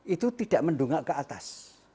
itu tidak mendungak ke atas